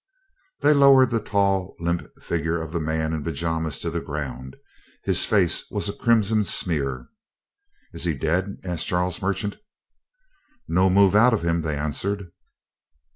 They lowered the tall, limp figure of the man in pajamas to the ground; his face was a crimson smear. "Is he dead?" asked Charles Merchant. "No move out of him," they answered.